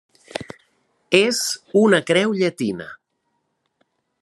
És una creu llatina.